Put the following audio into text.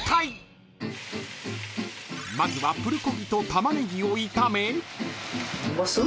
［まずはプルコギとタマネギを炒め］